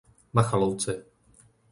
Machalovce